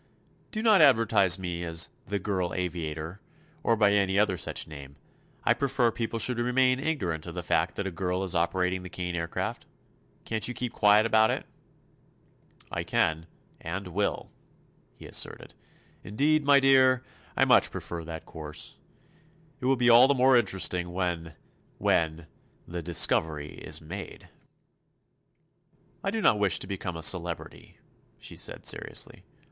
"Do not advertise me as 'The Girl Aviator,' or by any other such name. I prefer people should remain ignorant of the fact that a girl is operating the Kane Aircraft. Can't you keep quiet about it?" "I can, and will," he asserted. "Indeed, my dear, I much prefer that course. It will be all the more interesting when—when—the discovery is made." "I do not wish to become a celebrity," she said, seriously.